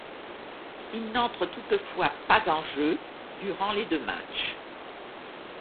Il n'entre toutefois pas en jeu durant les deux matchs.